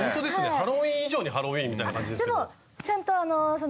ハロウィーン以上にハロウィーンみたいな感じですけど。